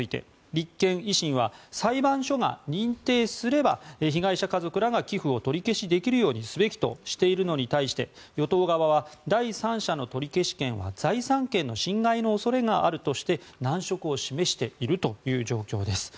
立憲、維新は裁判所が認定すれば被害者家族らが寄付を取り消しできるようにすべきとしているのに対して与党側は第三者の取り消し権は財産権の侵害の恐れがあるとして難色を示しているという状況です。